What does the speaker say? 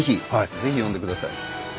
是非呼んで下さい。